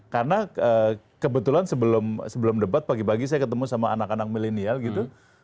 karena kebetulan sebelum debat pagi pagi saya ketemu sama anak anak milenial gitu